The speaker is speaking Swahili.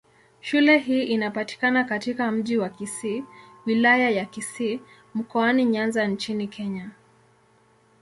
Shule hii inapatikana katika Mji wa Kisii, Wilaya ya Kisii, Mkoani Nyanza nchini Kenya.